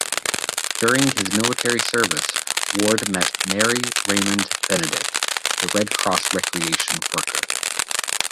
During his military service Ward met Mary Raymond Benedict, a Red Cross recreation worker.